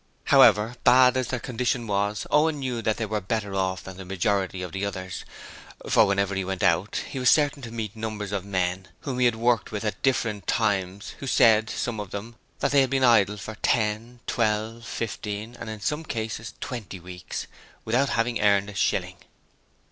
However, bad as their condition was, Owen knew that they were better off than the majority of the others, for whenever he went out he was certain to meet numbers of men whom he had worked with at different times, who said some of them that they had been idle for ten, twelve, fifteen and in some cases for twenty weeks without having earned a shilling.